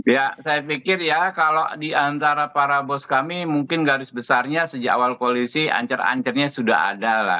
ya saya pikir ya kalau diantara para bos kami mungkin garis besarnya sejak awal koalisi ancar ancarnya sudah ada lah